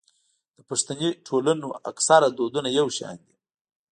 د پښتني ټولنو اکثره دودونه يو شان دي.